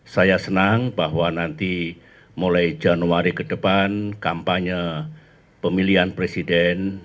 saya senang bahwa nanti mulai januari ke depan kampanye pemilihan presiden